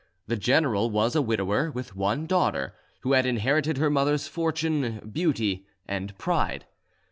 The general was a widower, with one daughter, who had inherited her mother's fortune, beauty, and pride.